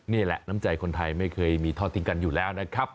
นี่แหละน้ำใจคนไทยไม่เคยมีทอดทิ้งกันอยู่แล้วนะครับ